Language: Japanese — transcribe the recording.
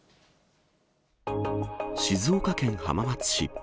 静岡県浜松市。